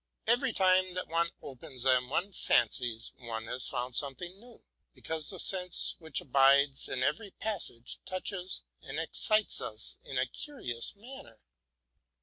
Every time that one opens them, one fancies one has found something new; because the sense which abides in every passage touches and excites us in a curious manner.